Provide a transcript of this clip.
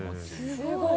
すごい！